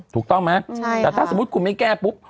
ถูกต้องไหมแต่ถ้าสมมุติคุณไม่แก้ปุ๊บ